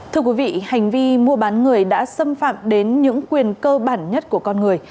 thưa quý vị hành vi mua bán người đã xâm phạm đến những quyền cơ bản nhất của con người